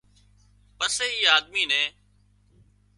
پسي اي آۮمي نين